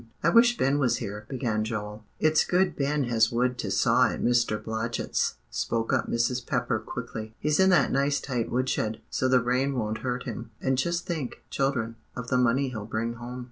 "I wish Ben was here," began Joel. "It's good Ben has wood to saw at Mr. Blodgett's," spoke up Mrs. Pepper quickly. "He's in that nice tight woodshed, so the rain won't hurt him: and just think, children, of the money he'll bring home."